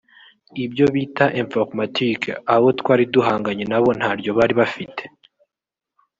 ibyo bita “informatique” abo twari duhanganye nabo ntaryo bari bafite